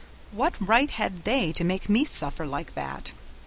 What right had they to make me suffer like that?